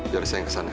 jari saya yang kesana